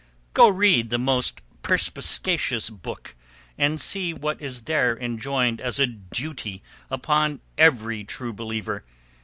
"Go read the Most Perspicuous Book and see what is there enjoined as a duty upon every True Believer.